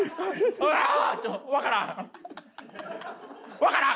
わからん！